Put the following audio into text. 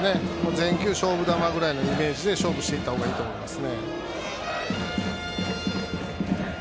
全球勝負球ぐらいのイメージで勝負した方がいいと思います。